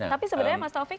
tapi sebenarnya mas taufik